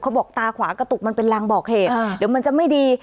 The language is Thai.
บอกตาขวากระตุกมันเป็นรางบอกเหตุเดี๋ยวมันจะไม่ดี